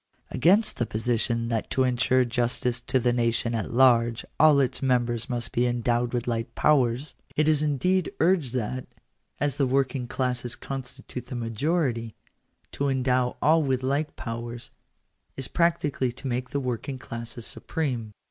Against the position that to ensure justice to the nation at large all its members must be endowed with like powers, it is indeed urged that, as the working classes constitute the majority, to endow all with like powers, is practically to make the work ing classes supreme.